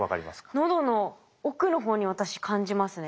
喉の奥の方に私感じますね。